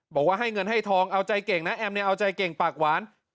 บอกว่าให้เงินให้ทองเอาใจเก่งนะแอมเนี่ยเอาใจเก่งปากหวาน